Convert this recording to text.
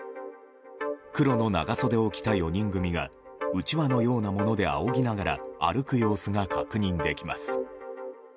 黒の長袖を着た４人組がうちわのようなものであおぎながら歩く様子が確認できます。